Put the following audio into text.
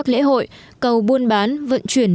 lễ hội cầu buôn bán vận chuyển